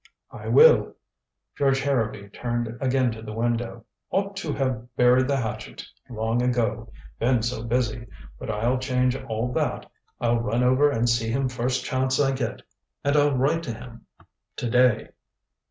"I will." George Harrowby turned again to the window. "Ought to have buried the hatchet long ago. Been so busy but I'll change all that. I'll run over and see him first chance I get and I'll write to him to day."